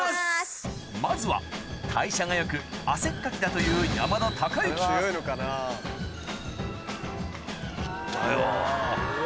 まずは代謝が良く汗っかきだという行ったよ。